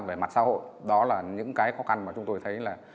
về mặt xã hội đó là những cái khó khăn mà chúng tôi thấy là